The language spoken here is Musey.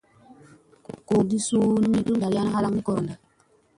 Goodi suuna miniɗ su ɗaryaɗna halaŋga ni gooron da.